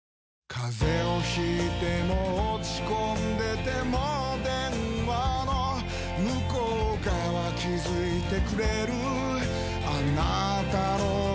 風邪を引いても落ち込んでても電話の向こう側気付いてくれるあなたの声